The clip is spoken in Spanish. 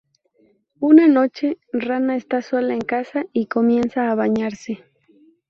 Una noche, Rana está sola en casa y comienza a bañarse.